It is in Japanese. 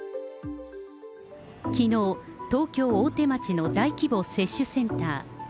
きのう、東京・大手町の大規模接種センター。